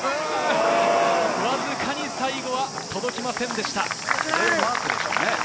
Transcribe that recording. わずかに最後は届きませんでした。